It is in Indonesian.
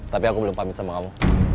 tapi aku belum pamit sama kamu